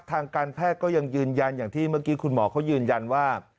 ทางการแพทย์ก็ยังยืนยันอย่างที่เมื่อกี้คุณหมอเขายืนยันว่า